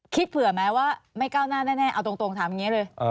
เผื่อไหมว่าไม่ก้าวหน้าแน่เอาตรงถามอย่างนี้เลย